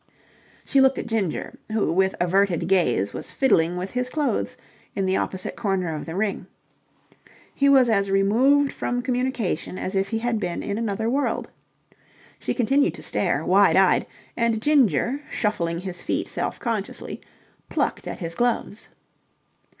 She looked at Ginger, who with averted gaze was fiddling with his clothes in the opposite corner of the ring. He was as removed from communication as if he had been in another world. She continued to stare, wide eyed, and Ginger, shuffling his feet self consciously, plucked at his gloves.